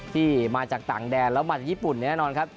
ที่มาจากต่างแดนแล้วมาจากญี่ปุ่นแน่นอนครับ